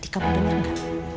kamu dengar tidak